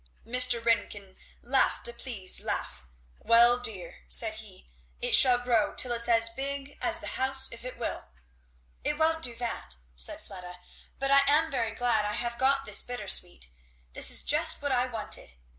Mr. Ringgan laughed a pleased laugh. "Well, dear!" said he, "it shall grow till it's as big as the house, if it will." "It won't do that," said Fleda. "But I am very glad I have got this bittersweet this is just what I wanted.